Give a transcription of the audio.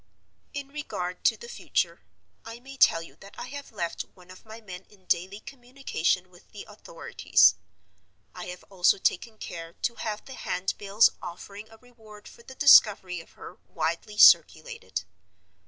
"In regard to the future, I may tell you that I have left one of my men in daily communication with the authorities. I have also taken care to have the handbills offering a reward for the discovery of her widely circulated.